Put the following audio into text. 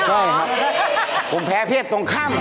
เราแพ้เจ๊คนนี้เหรอนะครับผมแพ้เอียดของตรงข้าม